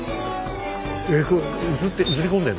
えこれ映り込んでんの？